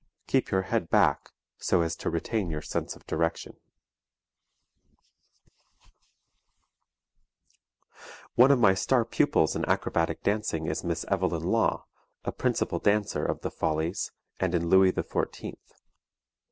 Keep your head back, so as to retain your sense of direction. [Illustration: The Cartwheel] One of my star pupils in acrobatic dancing is Miss Evelyn Law, a principal dancer of the "Follies," and in "Louie the Fourteenth."